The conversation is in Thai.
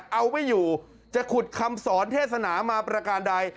เอาไม่อยู่จะขุดคำสอนเทศนามาประการใด